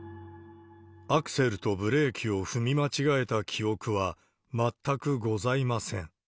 アクセルとブレーキを踏み間違えた記憶は全くございません。